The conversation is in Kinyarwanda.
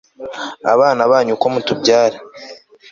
abana banyu uko mutubyara